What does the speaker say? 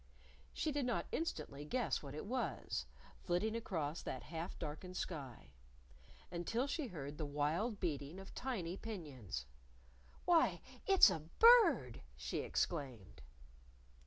She did not instantly guess what it was flitting across that half darkened sky. Until she heard the wild beating of tiny pinions! "Why, it's a bird!" she exclaimed.